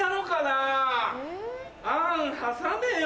あん挟めよ。